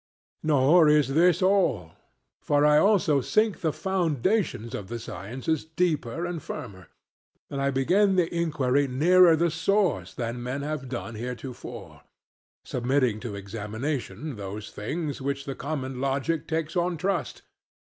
Nor is this all. For I also sink the foundations of the sciences deeper and firmer; and I begin the inquiry nearer the source than men have done heretofore; submitting to examination those things which the common logic takes on trust.